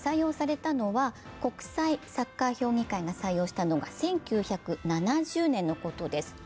国際サッカー評議会が採用したのは１９７０年のことです。